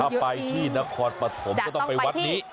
ถ้าไปที่นครปฐมก็ต้องไปวัดนี้